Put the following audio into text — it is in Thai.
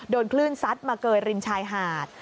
คลื่นซัดมาเกยริมชายหาด